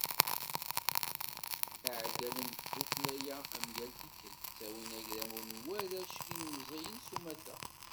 Iεeggalen n tdukkla-a, am yal tikkelt, ttawin agraw n warrac d yilemẓiyen s umata.